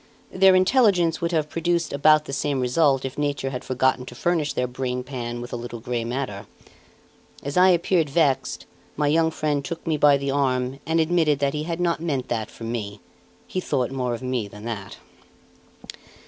Their intelligence would have produced about the same result if nature had forgotten to furnish their brain pan with a little grey matter. As I appeared vexed, my young friend took me by the arm and admitted that he had not meant that for me; he thought more of me than that.